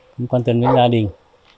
không quan tâm với gia đình